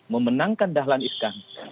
memenangkan dahlan iskandar